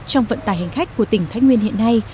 trong vận tải hành khách của tỉnh thái nguyên hiện nay